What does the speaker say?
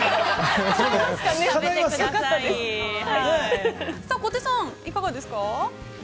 さあ小手さん、いかがですか。